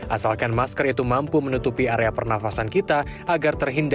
asalkan masker itu mampu menutupi area pernafasan kita